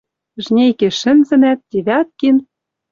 Жнейкеш шӹнзӹнӓт, Девяткин